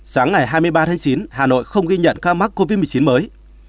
sáng ngày hai mươi ba tháng chín hà nội không ghi nhận ca mắc covid một mươi chín mới